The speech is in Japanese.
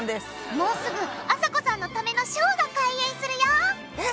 もうすぐあさこさんのためのショーが開演するよえっ！